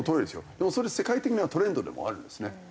でもそれ世界的なトレンドでもあるんですね。